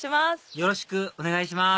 よろしくお願いします